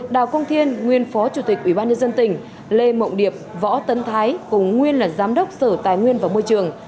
đào công thiên nguyên phó chủ tịch ủy ban nhân dân tỉnh lê mộng điệp võ tấn thái cùng nguyên là giám đốc sở tài nguyên và môi trường